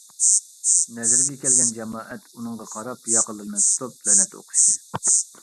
نەزىرگە كەلگەن جامائەت ئۇنىڭغا قاراپ ياقىلىرىنى تۇتۇپ لەنەت ئوقۇشتى.